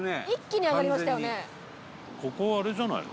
富澤：ここ、あれじゃないの？